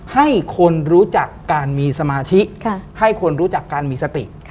ให้คนรู้จักการมีสมาธิให้คนรู้จักการมีสติ